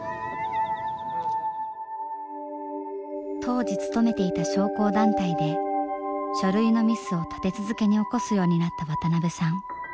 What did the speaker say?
当時勤めていた商工団体で書類のミスを立て続けに起こすようになった渡邊さん。